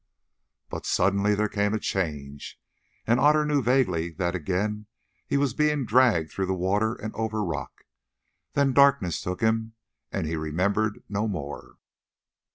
But suddenly there came a change, and Otter knew vaguely that again he was being dragged through the water and over rock. Then darkness took him, and he remembered no more.